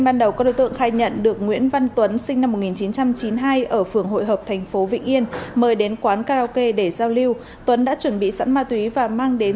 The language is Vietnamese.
các đối tượng khai nhận số nhựa màu đen trên là thuốc viện mua của một người đàn ông không rõ địa chỉ với số tiền ba mươi triệu đồng